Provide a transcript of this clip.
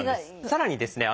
さらにですね